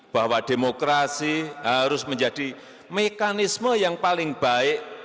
bahwa demokrasi harus menjadi mekanisme yang paling baik